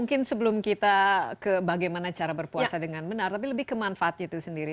mungkin sebelum kita ke bagaimana cara berpuasa dengan benar tapi lebih ke manfaatnya itu sendiri